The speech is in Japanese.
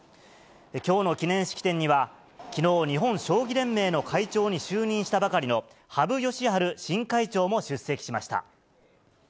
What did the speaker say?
きょうの記念式典には、きのう日本将棋連盟の会長に就任したばかりの羽生善治新会長も出席しました。